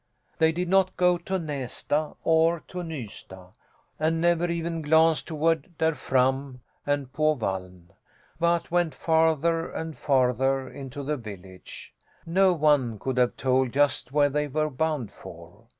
They did not go to Nästa or to Nysta, and never even glanced toward Där Fram and På Valln, but went farther and farther into the village. No one could have told just where they were bound for.